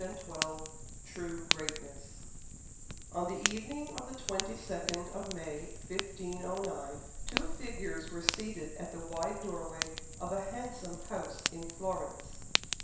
Lowell TRUE GREATNESS On the evening of the twenty second of May, 1509, two figures were seated at the wide doorway of a handsome house in Florence.